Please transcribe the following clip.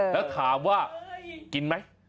แล้วถามว่ากินไหม